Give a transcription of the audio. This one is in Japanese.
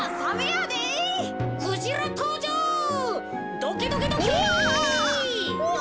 うわ！